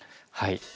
はい。